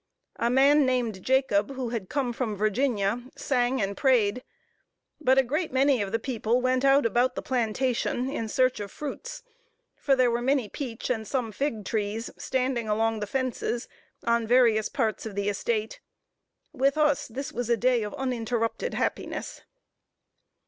A man named Jacob, who had come from Virginia, sang and prayed; but a great many of the people went out about the plantation, in search of fruits; for there were many peach and some fig trees, standing along the fences, on various parts of the estate. With us, this was a day of uninterrupted happiness.